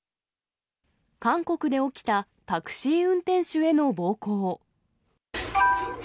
韓国で起きたタクシー運転手への暴行。